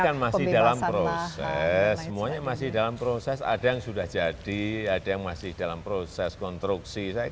kan masih dalam proses semuanya masih dalam proses ada yang sudah jadi ada yang masih dalam proses konstruksi